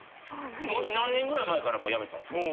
何年ぐらい前からやめたんすか？